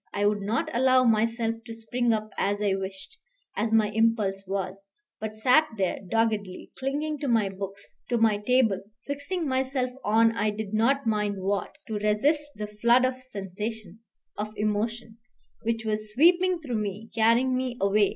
I would not allow myself to spring up as I wished, as my impulse was, but sat there doggedly, clinging to my books, to my table, fixing myself on I did not mind what, to resist the flood of sensation, of emotion, which was sweeping through me, carrying me away.